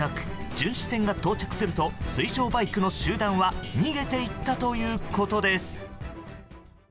巡視船が到着すると水上バイクの集団は逃げていったということです。